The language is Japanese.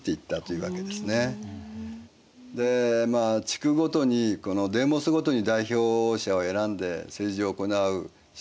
地区ごとにデーモスごとに代表者を選んで政治を行うシステム